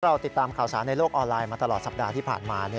เราติดตามข่าวสารในโลกออนไลน์มาตลอดสัปดาห์ที่ผ่านมา